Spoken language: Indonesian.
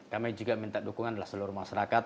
kami juga minta dukungan adalah seluruh masyarakat